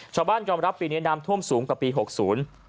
ชาวบ้านกรรมรับปีนี้น้ำท่วมสูงกับปีหกศูนย์